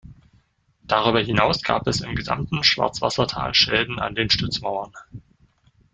Darüber hinaus gab es im gesamten Schwarzwassertal Schäden an den Stützmauern.